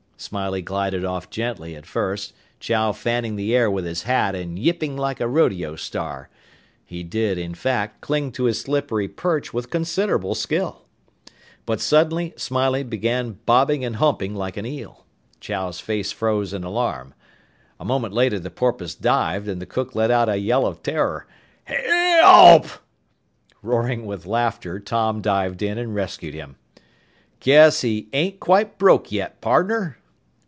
Smiley glided off gently at first, Chow fanning the air with his hat and yipping like a rodeo star. He did, in fact, cling to his slippery perch with considerable skill. But suddenly Smiley began bobbing and humping like an eel. Chow's face froze in alarm. A moment later the porpoise dived and the cook let out a yell of terror, "He e elp!" Roaring with laughter, Tom dived in and rescued him. "Guess he ain't quite broke yet, pardner!"